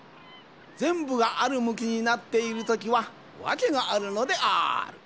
ぜんぶがあるむきになっているときはわけがあるのである。